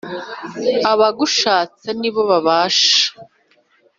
Abagushatse ni bo babasha